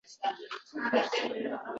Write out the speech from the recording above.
So’rang, Omoch surgan bolakaylardan